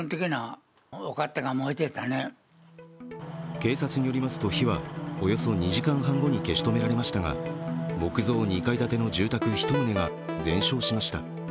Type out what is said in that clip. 警察によりますと、火はおよそ２時間半後に消し止められましたが木造２階建ての住宅１棟が全焼しました。